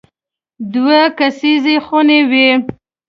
دوه کسیزې خونې وې.